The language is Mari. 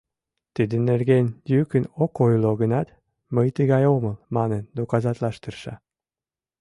Тидын нерген йӱкын ок ойло гынат, «Мый тыгай омыл» манын доказатлаш тырша.